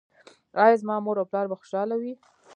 ایا زما مور او پلار به خوشحاله وي؟